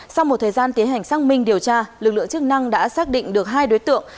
sau một thời gian tiến hành xác minh điều tra lực lượng chức năng đã xác định được hai đối tượng